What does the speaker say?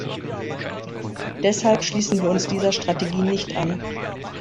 Deshalb schließen wir uns dieser Strategie nicht an.